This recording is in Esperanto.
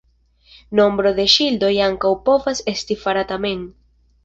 Nombro de ŝildoj ankaŭ povas esti farata mem.